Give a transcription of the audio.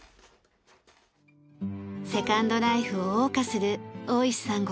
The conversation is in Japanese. セカンドライフを謳歌する大石さんご夫妻。